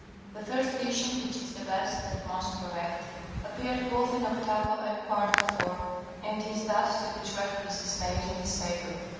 The third edition which is the best and most correct appeared both in octavo and quarto form, and is that to which reference is made in this paper.